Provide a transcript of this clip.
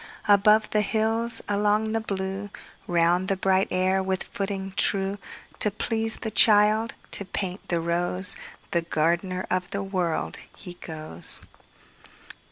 Above the hills, along the blue, Round the bright air with footing true, To please the child, to paint the rose, The gardener of the World, he goes.